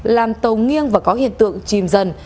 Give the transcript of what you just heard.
làm tàu nghiêng và có hiện tượng chìm dần